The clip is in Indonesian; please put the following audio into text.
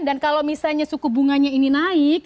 dan kalau misalnya suku bunganya ini dah jatuh